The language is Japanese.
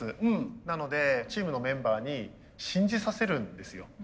なのでチームのメンバーに信じさせるんですよ。